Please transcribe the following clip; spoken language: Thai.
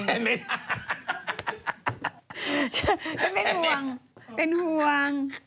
ไม่เป็นห่วงเป็นห่วง